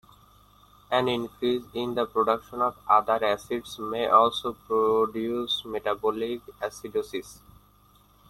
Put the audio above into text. An increase in the production of other acids may also produce metabolic acidosis.